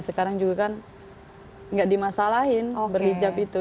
sekarang juga kan nggak dimasalahin oh berhijab itu